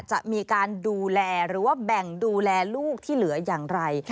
จะมีการดูแลหรือว่าแบ่งดูแลลูกที่เหลืออย่างไร